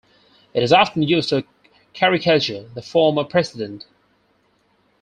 It is often used to caricature the former president.